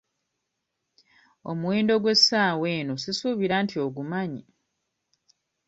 Omuwendo gw'essaawa eno sisuubira nti ogumanyi.